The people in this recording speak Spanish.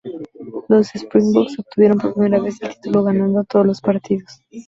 Los Springboks obtuvieron por primera vez el título ganando todos los partidos.